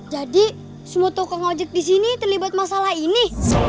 jadi semua tokong ojek di sini terlibat masalah ini